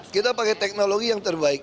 kita pakai teknologi yang terbaik